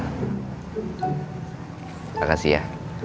terima kasih ya